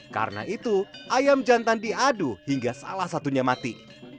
karena itu ayam jantan diadu hingga salah satunya mati